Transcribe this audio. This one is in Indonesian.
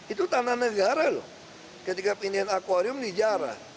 itu tanah negara loh ketika pindahan akwarium dijarah